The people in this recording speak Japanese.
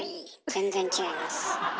全然違います。